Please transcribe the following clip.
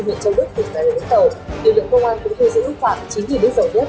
huyện châu bức tỉnh đài lộn tàu điều lượng công an cũng thu giữ khoảng chín lít dầu nước